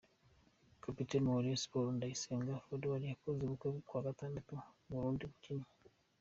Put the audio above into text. Kapiteni wa Rayon Sports, Ndayisenga Fuad wakoze ubukwe kuwa Gatandatu i Burundi yakinnye.